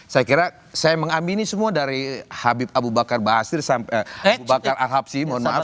saya kira saya mengamini semua dari habib abu bakar basir abu bakar al habsi mohon maaf